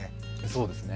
そうですね。